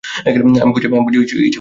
আমি বুঝি ইচ্ছে করে ফেলে রেখে গেছি?